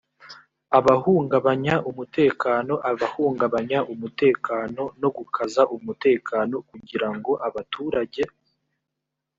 abahungabanya umutekano abahungabanya umutekano no gukaza umutekano kugirango abaturage